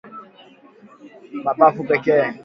mapafu pekee